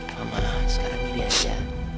mama sekarang gini aja